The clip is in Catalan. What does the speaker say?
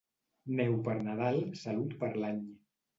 Neu per Nadal, salut per l'any.